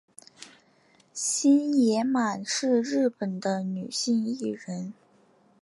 星野满是日本的女性艺人。